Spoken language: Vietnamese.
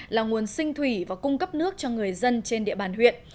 là nguồn sinh thủy và cung cấp nước cho người dân trên địa bàn huyện